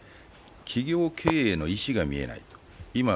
企業経営の意思が見えない。